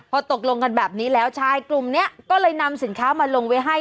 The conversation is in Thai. พอตกลงกันแบบนี้แล้วชายกลุ่มนี้ก็เลยนำสินค้ามาลงไว้ให้